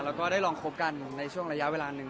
แล้วก็ได้ลองคบกันในช่วงระยะเวลาหนึ่ง